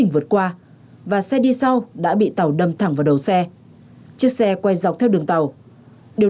và vừa mấy vụ